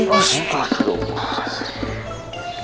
susah dong pak usat